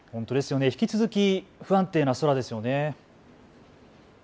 引き続き不安定な空ですね。